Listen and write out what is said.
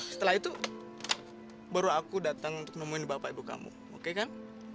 setelah itu baru aku datang untuk nemuin bapak ibu kamu oke kan